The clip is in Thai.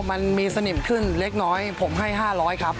มันมีสนิมขึ้นเล็กน้อยผมให้๕๐๐ครับ